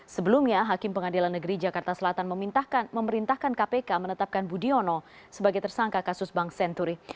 sebelumnya hakim pengadilan negeri jakarta selatan memerintahkan kpk menetapkan budiono sebagai tersangka kasus bank senturi